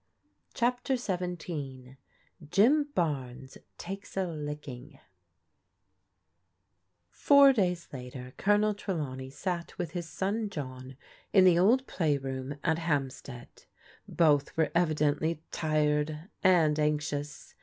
CHAPTER XVII JIM BARNES TAKES A LICKING FOUR days later Colonel Trelawney sat with his son John in the old play room at HampsteaA Both were evidently tired and anxious.